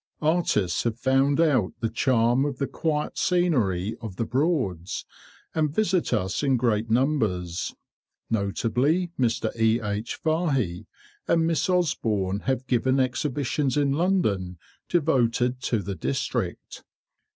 Artists have found out the charm of the quiet scenery of the Broads, and visit us in great numbers. Notably Mr. E. H. Fahey and Miss Osborn have given exhibitions in London devoted to the district.